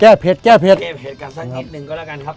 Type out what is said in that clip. แก้เผ็ดแก้เผ็ดกันสักนิดหนึ่งก็แล้วกันครับ